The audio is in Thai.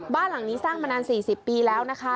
บ้านหลังนี้สร้างมานาน๔๐ปีแล้วนะคะ